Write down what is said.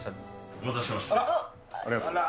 お待たせしました。